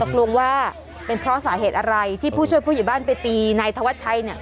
กลัวว่าเป็นเพราะสาเหตุอะไรที่ผู้ช่วยผู้ใหญ่บ้านไปตีนายธวัชชัย